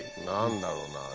何だろうな？